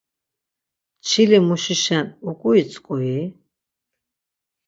Çili muşişen uǩuitzkui?